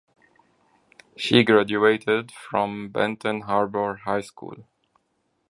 She graduated from Benton Harbor High School.